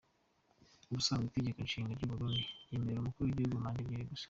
Ubusanzwe Itegeko Nshinga ry’u Burundi ryemerera umukuru w’igihugu manda ebyiri gusa.